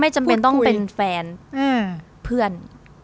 จำเป็นต้องเป็นแฟนเพื่อน